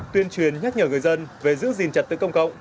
tuyên truyền nhắc nhở người dân về giữ gìn trật tự công cộng